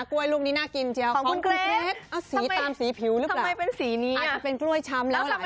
กล้วยลูกนี้น่ากินเจียวของคุณเกรทสีตามสีผิวหรือเปล่าอาจจะเป็นกล้วยช้ำแล้วหลายวัน